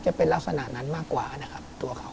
จะเป็นลักษณะนั้นมากกว่า